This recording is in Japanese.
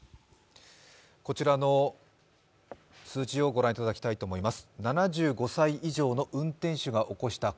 こちらの数字をご覧いただきたいと思います。